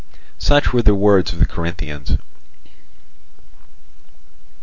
Such were the words of the Corinthians.